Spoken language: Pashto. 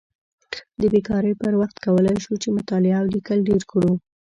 د بیکارۍ پر وخت کولی شو چې مطالعه او لیکل ډېر کړو.